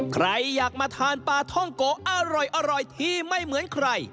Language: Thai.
ใครอยากมาทานปลาท่องโกะอร่อยที่ไม่เหมือนใคร